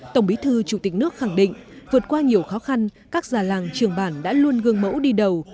tổng bí thư chủ tịch nước khẳng định vượt qua nhiều khó khăn các già làng trường bản đã luôn gương mẫu đi đầu